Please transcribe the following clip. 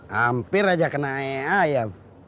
hampir aja kena ae ae ya